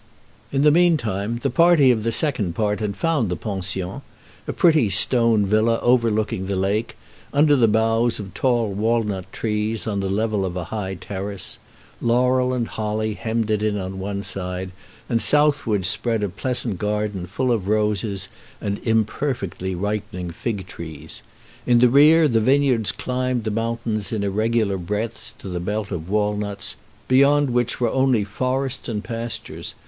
In the mean time the party of the second part had found the pension a pretty stone villa overlooking the lake, under the boughs of tall walnut trees, on the level of a high terrace. Laurel and holly hemmed it in on one side, and southward spread a pleasant garden full of roses and imperfectly ripening fig trees. In the rear the vineyards climbed the mountains in irregular breadths to the belt of walnuts, beyond which were only forests and pastures.